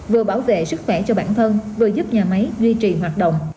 vừa bảo vệ sức khỏe cho bản thân vừa giúp nhà máy duy trì hoạt động